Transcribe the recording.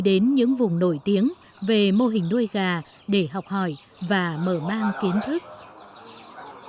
đến những vùng nổi tiếng về mô hình nuôi gà để học hỏi và mở mang kiến thức